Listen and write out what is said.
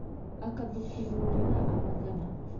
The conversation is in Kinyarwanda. akadukuburira amagana.